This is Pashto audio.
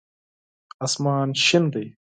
اسمان شین دی